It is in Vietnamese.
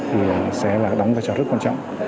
thì sẽ là đóng vai trò rất quan trọng